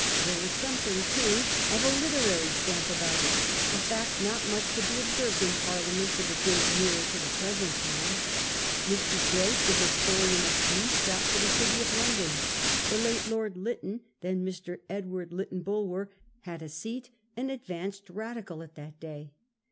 There was something 1837. THE NEW PARLIAMENT. 37 too of a literary stamp about it, a fact not much to be observed in Parliaments of a date nearer to the present time. Mr. Grote, the historian of Greece, sat for the city of London. The late Lord Lytton, then Mr. Edward Lytton Bulwer, had a seat, an advanced Radical at that day.